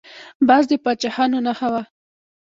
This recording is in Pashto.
باز د پاچاهانو نښه وه